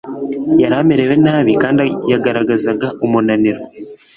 yari amerewe nabi kandi yagaragazaga umunaniro